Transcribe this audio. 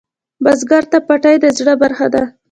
بزګر ته پټی د زړۀ برخه ده